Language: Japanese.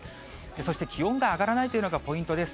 そして気温が上がらないというのがポイントです。